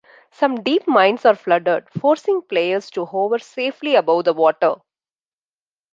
Some deep mines are flooded, forcing players to hover safely above the water.